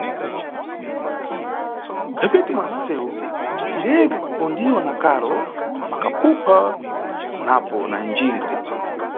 Mʼmphepete mwa nʼsewu kuti tireke kupondiwa na karo, makaphupha napo na njinga.